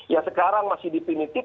ya sekarang masih dipimitif